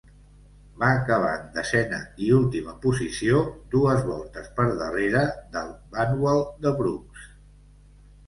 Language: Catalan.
Va acabar en desena i última posició, dues voltes per darrere del Vanwall de Brooks.